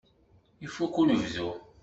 Ifukk unebdu.